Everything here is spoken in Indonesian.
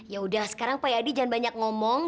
yaudah sekarang pak yadi jangan banyak ngomong